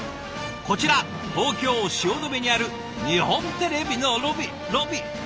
こちら東京・汐留にある日本テレビのロビーロビー。